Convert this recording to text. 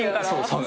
そう。